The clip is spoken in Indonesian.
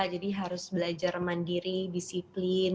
jadi harus belajar mandiri disiplin